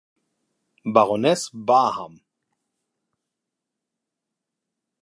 Baroness Barham.